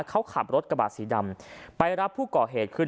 เขาขับรถกระบาดสีดำไปรับผู้ก่อเหตุขึ้น